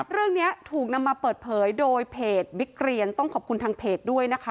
เรื่องนี้ถูกนำมาเปิดเผยโดยเพจบิ๊กเรียนต้องขอบคุณทางเพจด้วยนะคะ